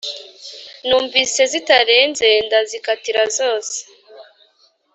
Numvishe zitarenze ndazikatira zose